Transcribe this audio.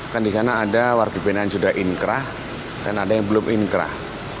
kan di sana ada warga binaan sudah inkrah dan ada yang belum inkrah